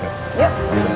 sampai jumpa lagi